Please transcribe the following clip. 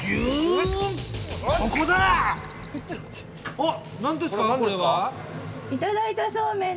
あ何ですかこれは？